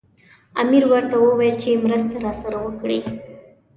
امیر ورته وویل چې مرسته راسره وکړي.